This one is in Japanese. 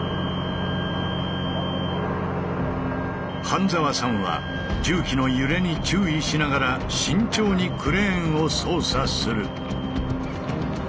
半澤さんは重機の揺れに注意しながら慎重にクレーンを操作する。